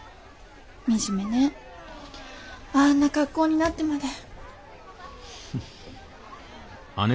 惨めねあんな格好になってまで。